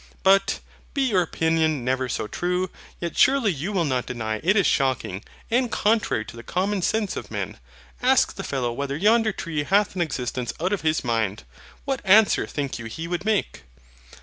But, be your opinion never so true, yet surely you will not deny it is shocking, and contrary to the common sense of men. Ask the fellow whether yonder tree hath an existence out of his mind: what answer think you he would make?